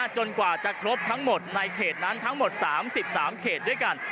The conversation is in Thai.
จนกว่าจะครบทั้งหมดในเขตนั้นทั้งหมด๓๓เขตด้วยกัน